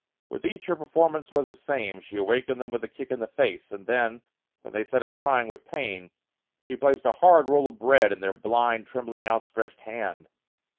With each her performance was the same; she awakened them with a kick in the face, and then, when they sat up crying with pain, she placed a hard roll of bread in their blind, trembling, outstretched hand.